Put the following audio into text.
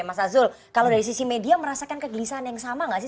mas azul kalau dari sisi media merasakan kegelisahan yang sama nggak sih